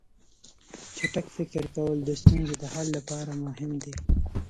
چټک فکر کول د ستونزو د حل لپاره مهم دي.